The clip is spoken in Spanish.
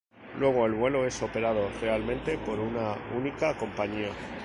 Luego el vuelo es operado realmente por una única compañía.